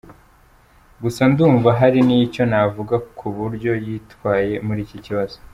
Gusa ndumva hari nicyo navuga kuburyo yitwaye muri iki kibazo;.